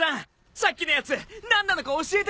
さっきのやつ何なのか教えてくれよ！